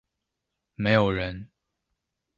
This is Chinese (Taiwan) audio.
沒有人